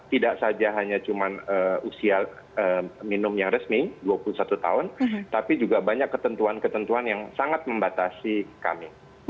tidak saja hanya cuma usia minum yang resmi dua puluh satu tahun tapi juga banyak ketentuan ketentuan yang sangat membatasi kami